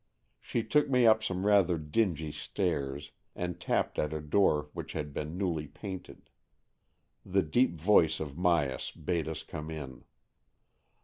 She took me up some rather dingy stairs, and tapped at a door which' had been newly painted. The deep voice of Myas bade us come in.